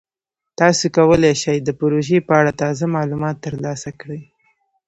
تاسو کولی شئ د پروژې په اړه تازه معلومات ترلاسه کړئ.